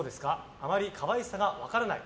あんまり可愛さが分からない。